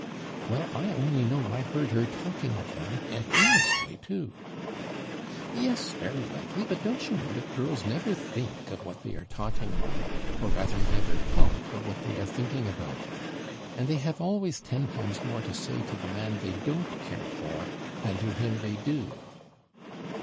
'Well, I only know I heard her talking of them, and earnestly too.' 'Yes, very likely; but don't you know that girls never think of what they are talking about, or rather never talk of what they are thinking about? And they have always ten times more to say to the man they don't care for, than to him they do.'